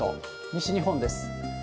西日本です。